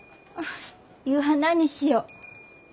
夕飯何にしよう？